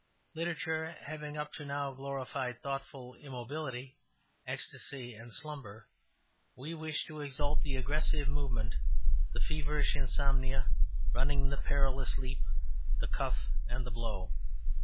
Literature having up to now glorified thoughtful immobility, ecstasy, and slumber, we wish to exalt the aggressive movement, the feverish insomnia, running, the perilous leap, the cuff and the blow."